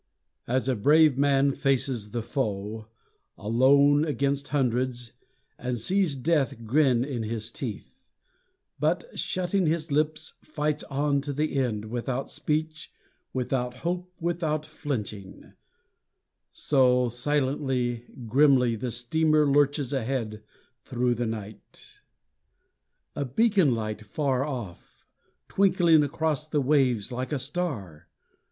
As a brave man faces the foe, Alone against hundreds, and sees Death grin in his teeth, But, shutting his lips, fights on to the end Without speech, without hope, without flinching, So, silently, grimly, the steamer Lurches ahead through the night. A beacon light far off, Twinkling across the waves like a star!